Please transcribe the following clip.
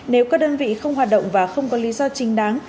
nếu các đơn vị không hoạt động và không có lý do chính đáng